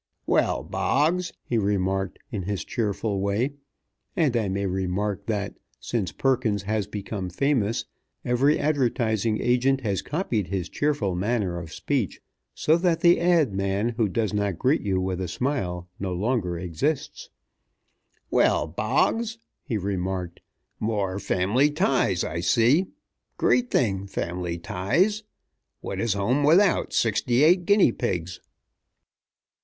"Well, Boggs," he remarked in his cheerful way and I may remark that, since Perkins has become famous, every advertising agent has copied his cheerful manner of speech, so that the ad. man who does not greet you with a smile no longer exists "Well, Boggs," he remarked, "more family ties, I see. Great thing, family ties. What is home without sixty eight guinea pigs?"